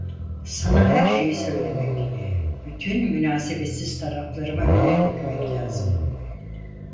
Sana her şeyi söylemek, bütün münasebetsiz taraflarımı önüne dökmek lazım…